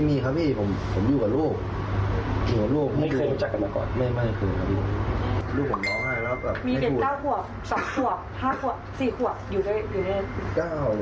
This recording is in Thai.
มีเป็น๙ขวบ๓ขวบ๔ขวบอยู่ด้วย